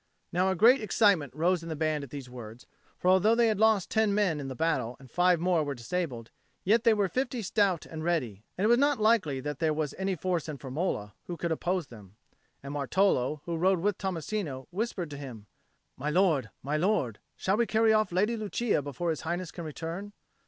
Now a great excitement rose in the band at these words; for although they had lost ten men in the battle and five more were disabled, yet they were fifty stout and ready; and it was not likely that there was any force in Firmola that could oppose them. And Martolo, who rode with Tommasino, whispered to him, "My lord, my lord, shall we carry off the Lady Lucia before His Highness can return?"